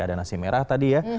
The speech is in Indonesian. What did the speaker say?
ada nasi merah tadi ya